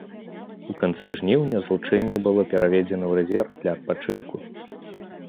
У канцы жніўня злучэнне было пераведзена ў рэзерв для адпачынку.